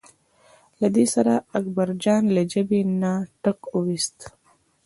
له دې سره اکبرجان له ژبې نه ټک وویست.